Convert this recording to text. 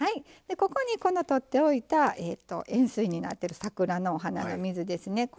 ここにこの取っておいた塩水になってる桜のお花の水ですね